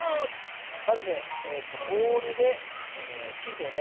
まずねボウルでチーズをね